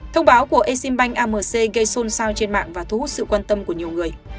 thông báo của eximbank amc gây xôn xao trên mạng và thu hút sự quan tâm của nhiều người